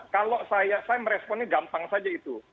kalau saya meresponnya gampang saja itu